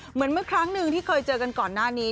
เหมือนเมื่อครั้งหนึ่งที่เคยเจอกันก่อนหน้านี้